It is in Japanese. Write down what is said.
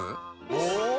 お！